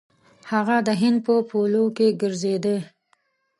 هغه د هند په پولو کې ګرځېدی.